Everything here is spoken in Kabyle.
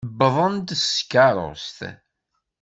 Uwḍent-d s tkeṛṛust.